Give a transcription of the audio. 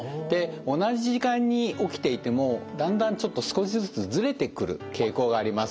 同じ時間に起きていてもだんだんちょっと少しずつずれてくる傾向があります。